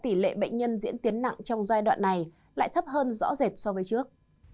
tỷ lệ bệnh nhân diễn tiến nặng trong giai đoạn này lại thấp hơn rõ rệt so với trước